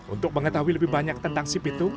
untuk mengetahui lebih banyak tentang si pitung